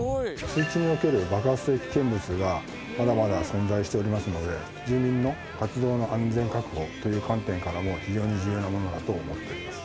水中における爆発性危険物はまだまだ存在しておりますので、住民の活動の安全確保という観点からも、非常に重要なものだと思っております。